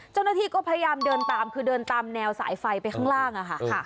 เจ้าหน้าที่ก็พยายามเดินตามคือเดินตามแนวสายไฟไปข้างล่างอะค่ะ